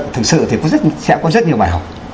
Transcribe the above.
thực sự thì sẽ có rất nhiều bài học